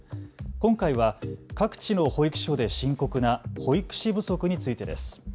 今回は各地の保育所で深刻な保育士不足についてです。